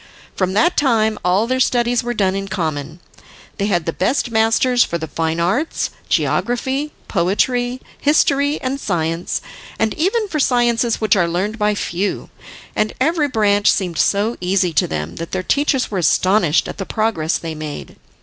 From that time all their studies were done in common. They had the best masters for the fine arts, geography, poetry, history and science, and even for sciences which are learned by few, and every branch seemed so easy to them, that their teachers were astonished at the progress they made.